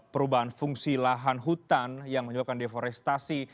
perubahan fungsi lahan hutan yang menyebabkan deforestasi